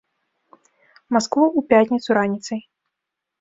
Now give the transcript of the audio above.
Маскву ў пятніцу раніцай.